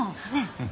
うん。